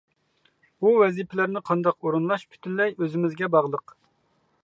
ئۇ ۋەزىپىلەرنى قانداق ئورۇنلاش پۈتۈنلەي ئۆزىمىزگە باغلىق.